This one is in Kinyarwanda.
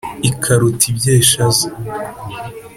ikaruta ibyeshaza.